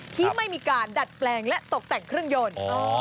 ที่ไม่มีการดัดแปลงและตกแต่งเครื่องยนต์